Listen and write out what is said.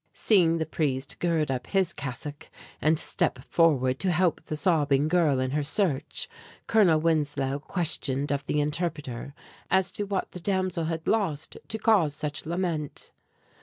Seeing the priest gird up his cassock and step forward to help the sobbing girl in her search; Colonel Winslow questioned of the interpreter as to what the damsel had lost to cause such lament.